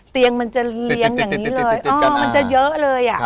เตียงมันจะเลี้ยงอย่างนี้เลยมันจะเยอะเลย